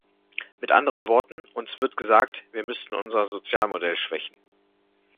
Mit anderen Worten, uns wird gesagt, wir müssten unser Sozialmodell schwächen.